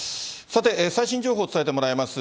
さて、最新情報伝えてもらいます。